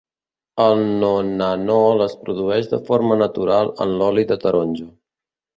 El nonanol es produeix de forma natural en l'oli de taronja.